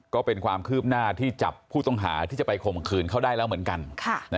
ก็เป็นความคืบหน้าที่ก็เป็นที่จับผู้ต้องหาที่จะไปคงเบื้องคืนเขาได้แล้วเหมือนกัน